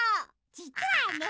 じつはね。